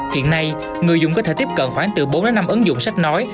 hiện nay người dùng có thể tiếp cận khoảng từ bốn đến năm ứng dụng sách nói